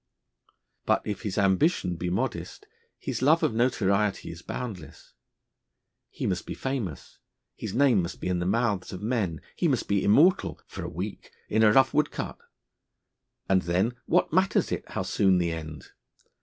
But if his ambition be modest, his love of notoriety is boundless. He must be famous, his name must be in the mouths of men, he must be immortal (for a week) in a rough woodcut. And then, what matters it how soon the end?